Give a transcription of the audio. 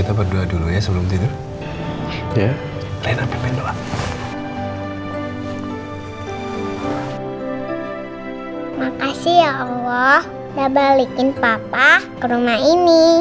aku doa dulu ya sebelum tidur ya rina pimpin doa makasih ya allah udah balikin papa ke rumah ini